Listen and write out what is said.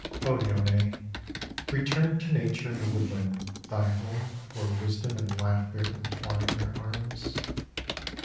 O Yone, return to Nature in the woodland, — thy home, where Wisdom and Laughter entwine their arms